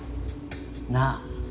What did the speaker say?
なあ。